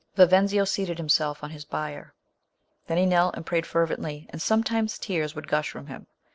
Vivenzio seated himself on his bier. Then he knelt and prayed fer r vently ; and sometimes tears would gush from him.